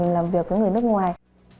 mình làm việc với người nước ngoài